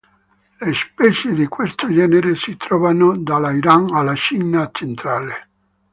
Le specie di questo genere si trovano dall'Iran alla Cina centrale.